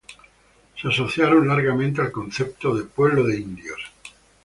Se asociaron largamente al concepto de Pueblo de Indios.